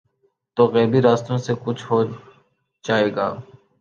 تو غیبی راستوں سے کچھ ہو جائے گا۔